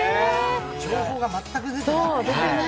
情報が全く出てないから。